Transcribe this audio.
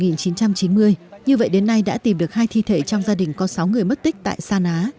như vậy đến nay đã tìm được hai thi thể trong gia đình có sáu người mất tích tại sa ná